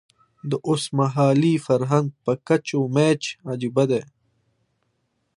د اوسمهالي فرهنګ په کچ و میچ عجیبه دی.